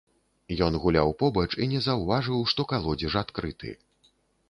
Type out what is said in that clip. Ён гуляў побач і не заўважыў, што калодзеж адкрыты.